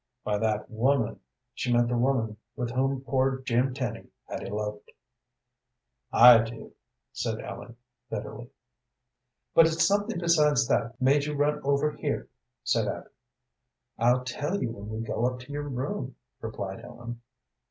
By "that woman" she meant the woman with whom poor Jim Tenny had eloped. "I do," said Ellen, bitterly. "But it's something besides that made you run over here," said Abby. "I'll tell you when we go up to your room," replied Ellen.